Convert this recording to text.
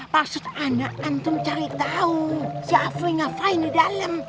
maksudnya anak antum cari tahu si afri nafai di dalam